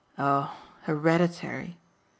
"Oh 'hereditary'